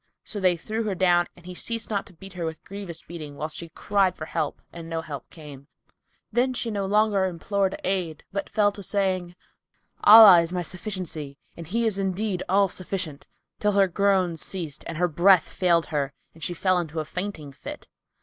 So they threw her down and he ceased not to beat her with grievous beating, whilst she cried for help and no help came; then she no longer implored aid but fell to saying, "Allah is my sufficiency, and He is indeed all sufficient!" till her groans ceased and her breath failed her and she fell into a fainting fit.